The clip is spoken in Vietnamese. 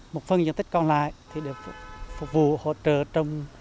một phần diện tích còn lại thì được phục vụ hỗ trợ trong